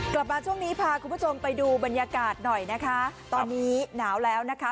กลับมาช่วงนี้พาคุณผู้ชมไปดูบรรยากาศหน่อยนะคะตอนนี้หนาวแล้วนะคะ